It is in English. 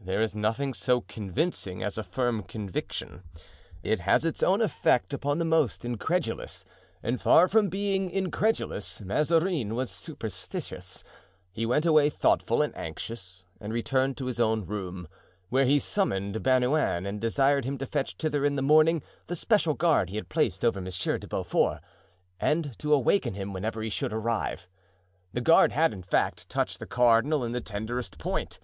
There is nothing so convincing as a firm conviction. It has its own effect upon the most incredulous; and far from being incredulous, Mazarin was superstitious. He went away thoughtful and anxious and returned to his own room, where he summoned Bernouin and desired him to fetch thither in the morning the special guard he had placed over Monsieur de Beaufort and to awaken him whenever he should arrive. The guard had, in fact, touched the cardinal in the tenderest point.